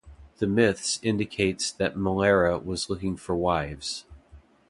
The myths indicates that Malara was looking for wives.